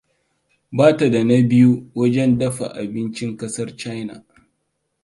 Ba ta da na biyu wajen dafa abincin kasar China.